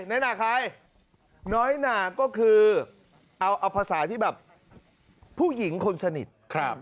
น้อยหนาใครน้อยหนาก็คือเอาภาษาที่แบบผู้หญิงคนสนิท